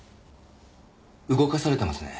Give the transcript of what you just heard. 動かされてますね。